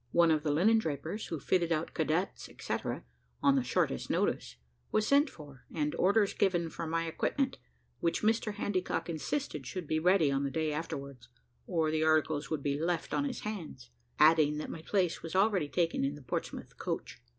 One of the linendrapers who fitted out cadets, etcetera, "on the shortest notice," was sent for, and orders given for my equipment, which Mr Handycock insisted should be ready on the day afterwards, or the articles would be left on his hands; adding, that my place was already taken in the Portsmouth coach.